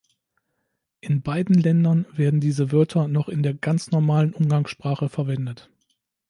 In beiden Ländern werden diese Wörter noch in der ganz normalen Umgangssprache verwendet.